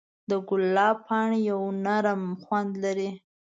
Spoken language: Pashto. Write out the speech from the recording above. د ګلاب پاڼې یو نرم خوند لري.